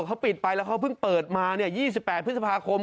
เขาปิดไปแล้วเขาเพิ่งเปิดมา๒๘พฤษภาคม